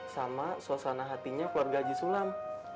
sama suasana hatinya keluarga haji sulam